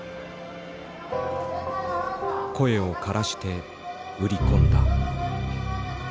声をからして売り込んだ。